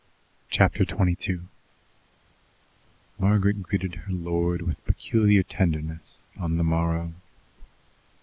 Chapter 22 Margaret greeted her lord with peculiar tenderness on the morrow.